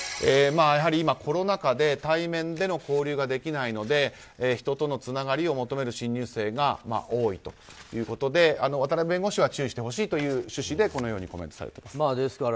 今、コロナ禍で対面での交流ができないので人とのつながりを求める新入生が多いということで渡辺弁護士は注意してほしいという趣旨でこのようにコメントされています。